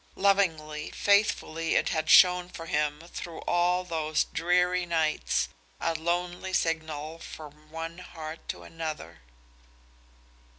Lovingly, faithfully it had shone for him through all those dreary nights, a lonely signal from one heart to another.